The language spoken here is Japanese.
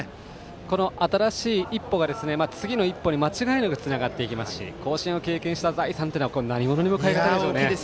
この新しい一歩が次の一歩に間違いなくつながっていきますし甲子園を経験した財産は何ものにも変えられないですよ。